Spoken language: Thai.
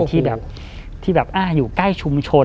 ที่แบบอยู่ใกล้ชุมชน